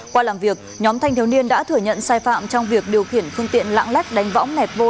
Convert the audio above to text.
qua làm việc nhóm thanh thiếu niên đã thừa nhận sai phạm trong việc điều khiển phương tiện lạng lách đánh võng nẹt vô